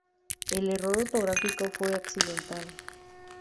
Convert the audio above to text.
El error ortográfico fue accidental.